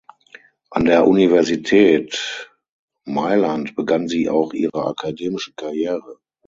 An der Universität Mailand begann sie auch ihre akademische Karriere.